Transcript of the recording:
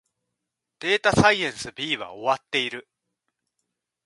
データサイエンス B は終わっている